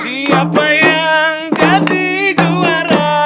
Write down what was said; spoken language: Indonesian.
siapa yang jadi juara